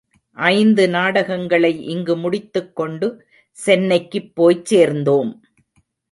ஐந்து நாடகங்களை இங்கு முடித்துக்கொண்டு சென்னைக்குப் போய்ச் சேர்ந்தோம்.